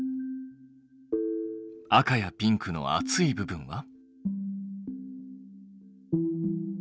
赤やピンクの熱い部分は？